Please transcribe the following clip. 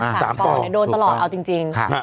๓ปถูกครับโดนตลอดเอาจริง